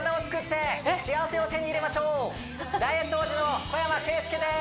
ダイエット王子の小山圭介です